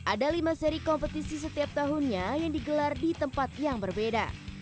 ada lima seri kompetisi setiap tahunnya yang digelar di tempat yang berbeda